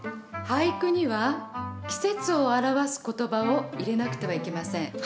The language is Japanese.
俳句には季節を表す言葉を入れなくてはいけません。